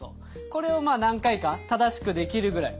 これをまあ何回か正しくできるぐらい。